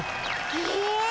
へえ。